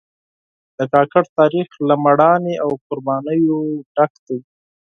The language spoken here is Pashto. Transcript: د کاکړ تاریخ له مېړانې او قربانیو ډک دی.